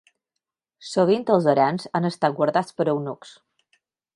Sovint els harems han estat guardats per eunucs.